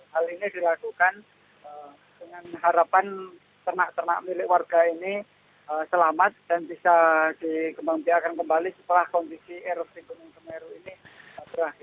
hal ini dilakukan dengan harapan ternak ternak milik warga ini selamat dan bisa dikembangkan kembali setelah kondisi erupsi gunung semeru ini berakhir